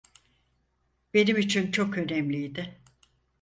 Benim için çok önemliydi.